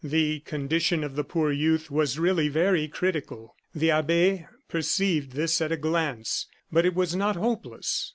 The condition of the poor youth was really very critical; the abbe perceived this at a glance, but it was not hopeless.